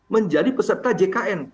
menjadi peserta jkn